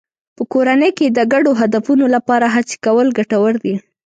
په کورنۍ کې د ګډو هدفونو لپاره هڅې کول ګټور دي.